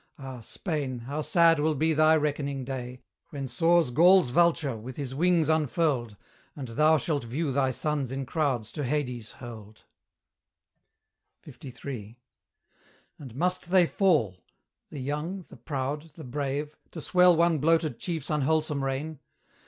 Ah, Spain! how sad will be thy reckoning day, When soars Gaul's Vulture, with his wings unfurled, And thou shalt view thy sons in crowds to Hades hurled. LIII. And must they fall the young, the proud, the brave To swell one bloated chief's unwholesome reign?